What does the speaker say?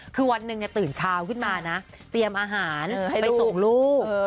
คือวันหนึ่งตื่นเช้าขึ้นมานะเตรียมอาหารไปส่งลูก